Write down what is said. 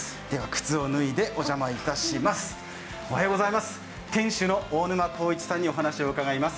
靴を脱いで、お邪魔いたします。